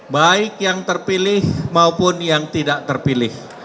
baik yang terpilih maupun yang tidak terpilih